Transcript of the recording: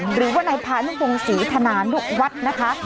หรือว่านายพันธุะวงศรีธนาณุะวัดนะคะ